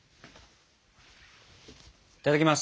いただきます。